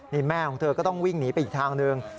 นี่แม่ของเธอก็ต้องวิ่งหนีไปอีกทางหนึ่ง